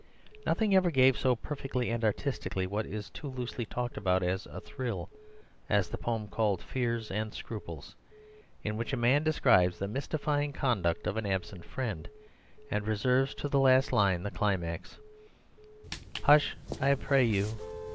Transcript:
Nothing ever gave so perfectly and artistically what is too loosely talked about as a thrill, as the poem called "Fears and Scruples," in which a man describes the mystifying conduct of an absent friend, and reserves to the last line the climax "Hush, I pray you!